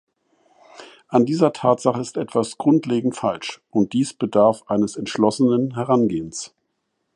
An dieser Tatsache ist etwas grundlegend falsch, und dies bedarf eines entschlossenen Herangehens.